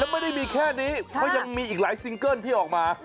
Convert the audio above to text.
ไม่ได้มีแค่นี้เพราะยังมีอีกหลายซิงเกิ้ลที่ออกมา